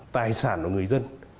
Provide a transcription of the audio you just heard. tài sản của người dân